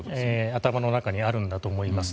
頭の中にあるんだと思います。